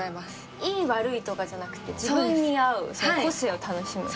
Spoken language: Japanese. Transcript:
いい悪いとかじゃなくて自分に合う個性を楽しむ。